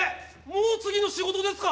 もう次の仕事ですか？